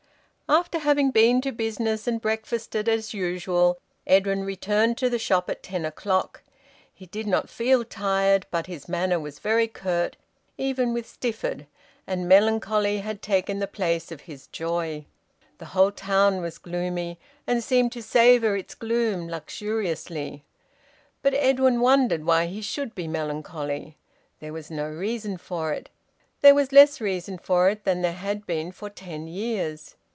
After having been to business and breakfasted as usual, Edwin returned to the shop at ten o'clock. He did not feel tired, but his manner was very curt, even with Stifford, and melancholy had taken the place of his joy. The whole town was gloomy, and seemed to savour its gloom luxuriously. But Edwin wondered why he should be melancholy. There was no reason for it. There was less reason for it than there had been for ten years.